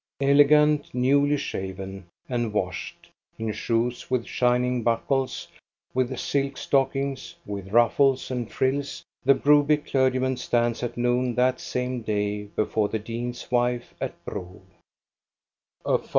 Elegant, newly shaven, and washed, in shoes with shining buckles, with silk stockings, with ruffles and frills, the Broby clergyman stands at noon that same day before the dean's wife at Bro.